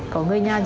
có người nha vậy